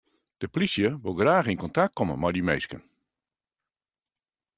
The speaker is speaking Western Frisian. De polysje wol graach yn kontakt komme mei dy minsken.